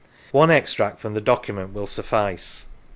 One extract from the docu ment will suffice.